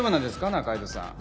仲井戸さん。